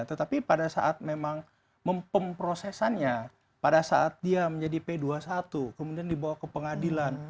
tetapi pada saat memang mempemprosesannya pada saat dia menjadi p dua puluh satu kemudian dibawa ke pengadilan